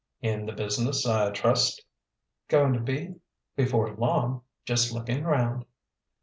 "In the business, I trust?" "Goin' to be before long. Just lookin' round."